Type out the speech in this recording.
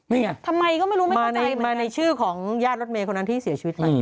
นี่ไงมาในชื่อของญาติรถเมย์คนนั้นที่เสียชีวิตไหม